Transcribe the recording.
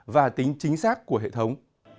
và tính chính xác của hệ thống